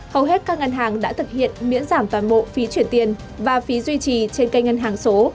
hầu hết các ngân hàng đã thực hiện miễn giảm toàn bộ phí chuyển tiền và phí duy trì trên kênh ngân hàng số